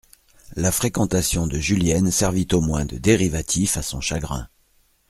La fréquentation de Julienne servit au moins de dérivatif à son chagrin.